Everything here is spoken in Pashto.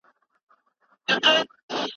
د ساینس په څانګه کي کارونه بل ډول دي.